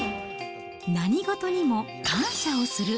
何事にも感謝をする。